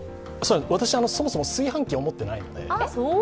私、そもそも炊飯器を持っていないので。